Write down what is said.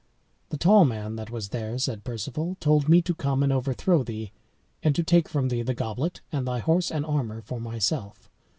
"The tall man that was there," said Perceval, "told me to come and overthrow thee, and to take from thee the goblet and thy horse and armor for myself."